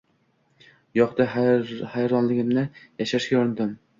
— Yoqdi. – hayronligimni yashirishga urindim.